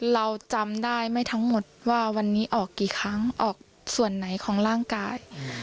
เราจำได้ไม่ทั้งหมดว่าวันนี้ออกกี่ครั้งออกส่วนไหนของร่างกาย